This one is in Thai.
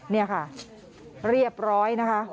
นี่ค่ะเรียบร้อยนะคะ